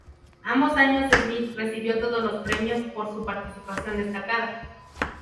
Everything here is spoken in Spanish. Ambos años Smith recibió todos los premios por su participación destacada.